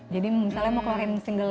jadi misalnya mau keluarin single yang a